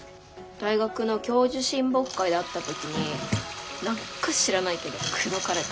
大学の教授親睦会で会った時に何か知らないけど口説かれた。